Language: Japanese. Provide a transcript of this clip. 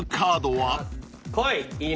はい。